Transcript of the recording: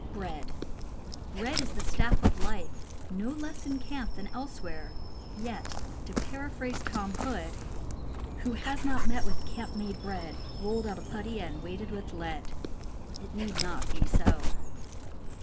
Bread is the staff of life, no less in camp than else where; yet, to paraphrase Tom Hood, 118 CAMPING x\ND WOODCRAFT Who has not met with camp made bread, Rolled out of putty and weighted with lead ? It need not be so.